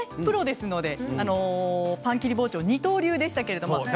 プロですのでパン切り包丁二刀流でしたけれども。